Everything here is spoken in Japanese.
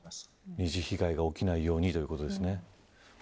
二次被害が起きないようにということですね。